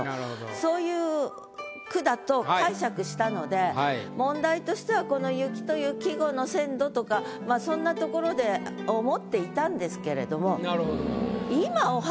そういう句だと解釈したので問題としてはこの「雪」という季語の鮮度とかまあそんなところで思っていたんですけれども。